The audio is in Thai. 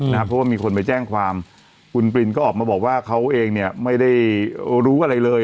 เพราะว่ามีคนไปแจ้งความคุณปรินก็ออกมาบอกว่าเขาเองเนี่ยไม่ได้รู้อะไรเลย